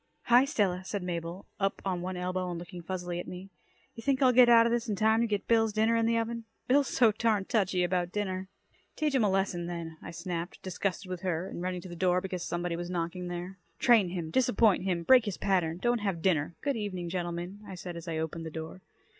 "Hi, Stella," said Mabel, up on one elbow and looking fuzzily at me. "You think I'll get out of this in time to get Bill's dinner in the oven? Bill's so darned touchy about dinner." "Teach him a lesson, then," I snapped, disgusted with her, and running to the door, because somebody was knocking there. "Train him. Disappoint him. Break his pattern. Don't have dinner. Good evening, gentlemen," I said as I opened the door.